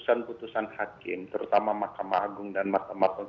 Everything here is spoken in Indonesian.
senang gw semua serius path broken